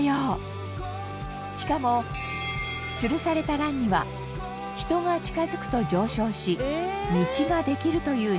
しかもつるされたランには人が近付くと上昇し道ができるという仕掛けが。